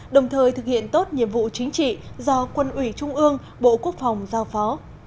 đồng thời thực hiện tốt nhiệm vụ chính trị do quân ủy trung ương bộ quốc phòng giao phó